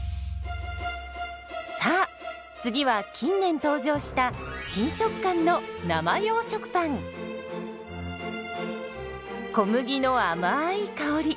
さあ次は近年登場した新食感の小麦のあまい香り。